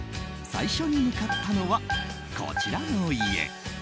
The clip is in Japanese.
最初に向かったのは、こちらの家。